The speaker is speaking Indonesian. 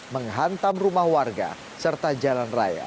menghantam rumah warga serta jalan raya